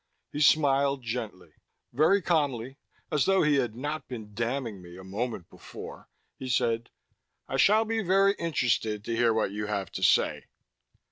He smiled gently. Very calmly, as though he had not been damning me a moment before, he said: "I shall be very interested to hear what you have to say."